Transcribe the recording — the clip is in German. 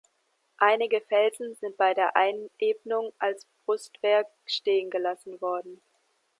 Einige Felsen sind bei der Einebnung als Brustwehr stehen gelassen worden.